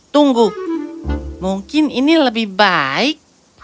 tunggu mungkin ini lebih baik